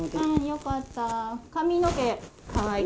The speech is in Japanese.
よかった。